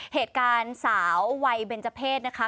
เหตุการณ์สาววัยเบนเจอร์เพศนะคะ